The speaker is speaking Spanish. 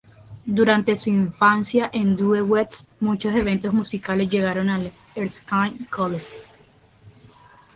Durante su infancia en Due West, muchos eventos musicales llegaron al Erskine College.